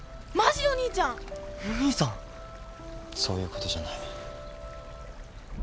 そういうことじゃない。